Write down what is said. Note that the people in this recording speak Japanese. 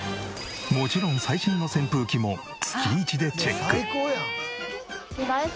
もちろん最新の扇風機も月１でチェック！